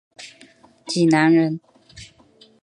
荆南人。